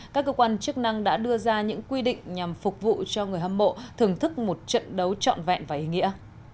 các cơ quan chức năng đã đưa ra những quy định nhằm phục vụ cho người hâm mộ thưởng thức một trận đấu trọn vẹn và ý nghĩa